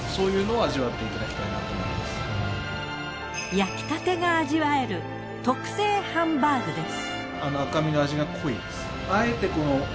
焼きたてが味わえる特製ハンバーグです。